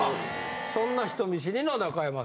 そんな人見知りの中山さん